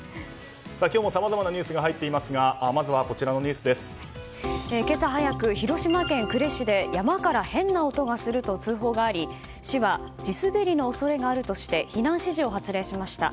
今日もさまざまなニュースが入っていますが今朝早く広島県呉市で山から変な音がすると通報があり市は地滑りの恐れがあるとして避難指示を発令しました。